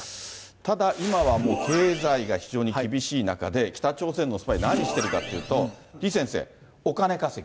ただ、今はもう経済が非常に厳しい中で、北朝鮮のスパイ、何してるかというと、李先生、お金稼ぎ。